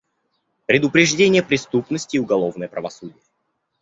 Предупреждение преступности и уголовное правосудие.